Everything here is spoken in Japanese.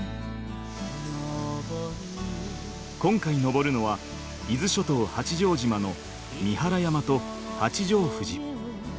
今回登るのは伊豆諸島八丈島の三原山と八丈富士。